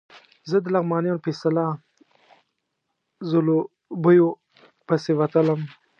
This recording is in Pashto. زه د لغمانیانو په اصطلاح ځلوبیو پسې وتلم.